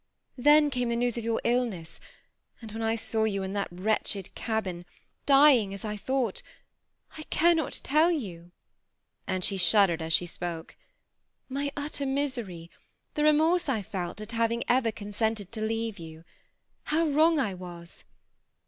Then came the news of your illness ; and when I saw you in that wretched cabin, dying as I thought, I cannot tell you" — and she shuddered as she spoke —" my utter misery, — the remorse I felt at hav ing ever consented to leave you. How wrong I was